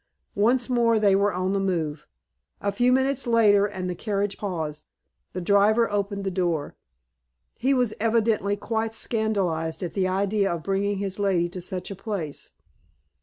Once more they were on the move. A few minutes later, and the carriage paused. The driver opened the door. He was evidently quite scandalized at the idea of bringing his lady to such a place.